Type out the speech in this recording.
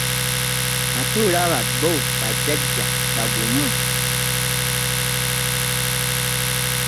Ate olaba be bajjajja baaguma.